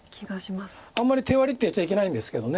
あんまり手割ってやっちゃいけないんですけど。